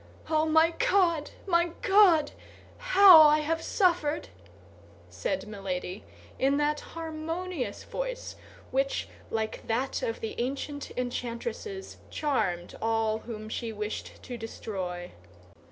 "Oh, my God, my God! how I have suffered!" said Milady, in that harmonious voice which, like that of the ancient enchantresses, charmed all whom she wished to destroy.